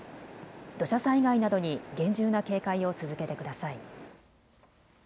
土砂災害などに厳重な警戒を続けてください。